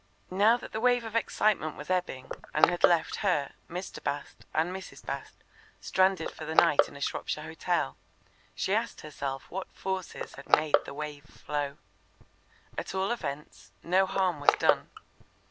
Now that the wave of excitement was ebbing, and had left her, Mr. Bast, and Mrs. Bast stranded for the night in a Shropshire hotel, she asked herself what forces had made the wave flow. At all events, no harm was done.